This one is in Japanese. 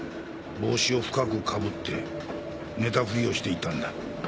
帽子を深く被って寝たふりをしていたんだ。